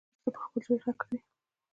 هغه وروسته پر خپل زوی غږ کوي